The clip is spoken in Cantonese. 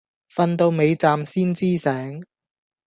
瞓到尾站先知醒